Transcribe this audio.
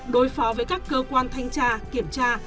đối phó với các cơ quan thanh tra kiểm tra